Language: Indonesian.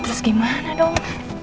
terus gimana dong